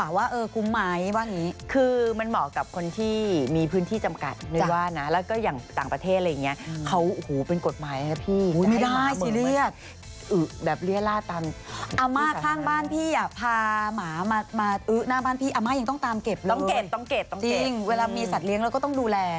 อาม่าข้างบ้านพี่อ่ะพาหมามาเอ๊ะหน้าบ้านพี่อาม่ายังต้องตามเก็บเลยต้องเก็บต้องเก็บจริงเวลามีสัตว์เลี้ยงเราก็ต้องดูแล